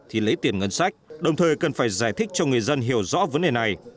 thì lấy tiền ngân sách đồng thời cần phải giải thích cho người dân hiểu rõ vấn đề này